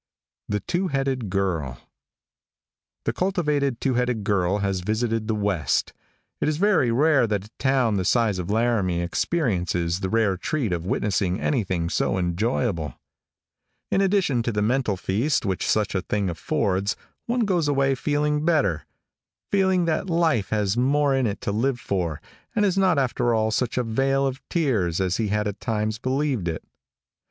THE TWO HEADED GIRL |THE cultivated two headed girl has visited the west. It is very rare that a town the size of Laramie experiences the rare treat of witnessing anything so enjoyable. In addition to the mental feast which such a thing affords, one goes away feeling better feeling that life has more in it to live for, and is not after all such a vale of tears as he had at times believed it.